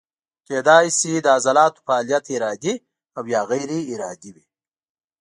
کیدای شي د عضلاتو فعالیت ارادي او یا غیر ارادي وي.